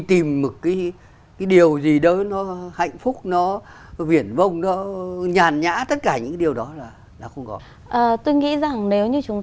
tìm một cái điều gì đó nó hạnh phúc nó viển vông nó nhàn nhã tất cả những điều đó là không có tôi nghĩ rằng nếu như chúng